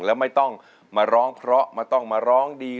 แล้วไม่ต้องมาร้องเพราะไม่ต้องมาร้องดี